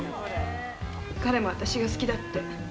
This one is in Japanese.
彼も私が好きだって。